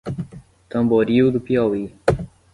Tamboril do Piauí